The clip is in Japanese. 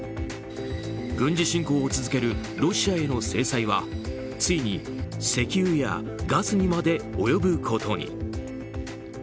軍事侵攻を続けるロシアへの制裁はついに石油やガスにまで及ぶことに。